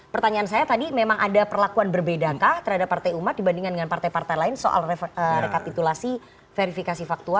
pertanyaan saya tadi memang ada perlakuan berbedakah terhadap partai umat dibandingkan dengan partai partai lain soal rekapitulasi verifikasi faktual